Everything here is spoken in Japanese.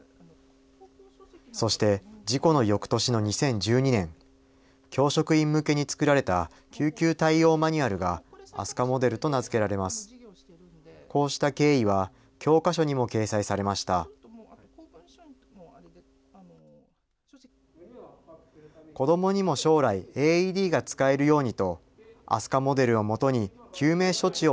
そして事故のよくとしの２０１２年、教職員向けに作られた救急対応マニュアルがＡＳＵＫＡモデルと名付けられます。